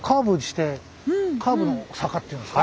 の坂っていうんですか。